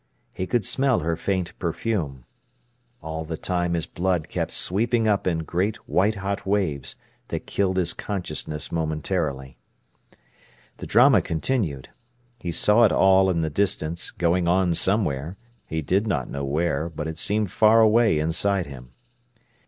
He could smell her faint perfume. All the time his blood kept sweeping up in great white hot waves that killed his consciousness momentarily. The drama continued. He saw it all in the distance, going on somewhere; he did not know where, but it seemed far away inside him.